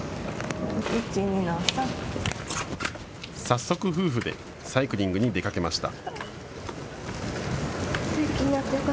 早速、夫婦でサイクリングに出かけました。